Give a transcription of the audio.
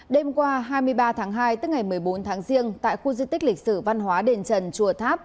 đêm qua hai mươi ba tháng hai tức ngày một mươi bốn tháng riêng tại khu di tích lịch sử văn hóa đền trần chùa tháp